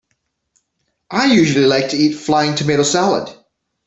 I usually like to eat flying tomato salad.